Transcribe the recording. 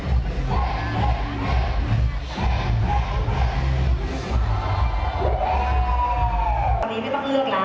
เก็บบรรยากาศเก็บเดินเดิน